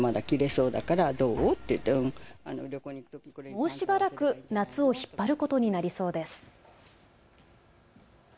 もうしばらく夏を引っ張ることになりそうです。